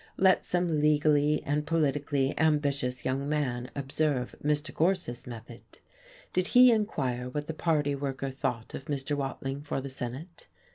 Let some legally and politically ambitious young man observe Mr. Gorse's method. Did he inquire what the party worker thought of Mr. Watling for the Senate?